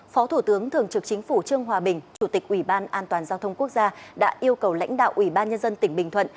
phó thủ tướng thường trực chính phủ trương hòa bình chủ tịch ủy ban an toàn giao thông quốc gia đã yêu cầu lãnh đạo ủy ban nhân dân tỉnh bình thuận